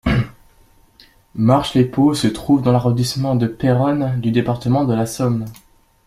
Marchélepot se trouve dans l'arrondissement de Péronne du département de la Somme.